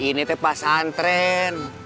ini itu pesantren